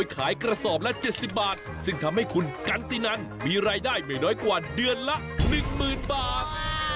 กระสอบละเจ็ดสิบบาทซึ่งทำให้คุณกันตินันมีรายได้ไม่น้อยกว่าเดือนละหนึ่งหมื่นบาท